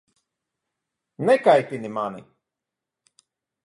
Nekaitini mani!